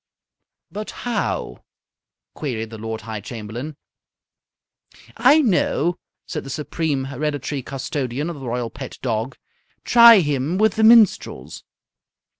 "But how?" queried the Lord High Chamberlain. "I know," said the Supreme Hereditary Custodian of the Royal Pet Dog. "Try him with the minstrels."